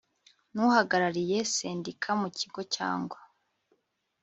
n uhagarariye sendika mu kigo cyangwa